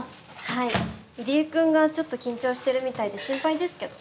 はい入江君がちょっと緊張してるみたいで心配ですけど。